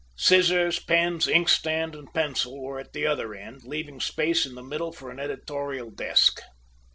Scissors, pens, inkstand, and pencil were at the other end, leaving space in the middle for an editorial desk.